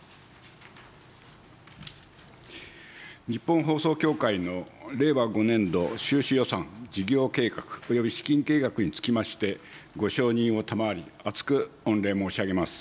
日本放送協会の令和５年度収支予算、事業計画および資金計画につきまして、ご承認を賜り、厚く御礼申し上げます。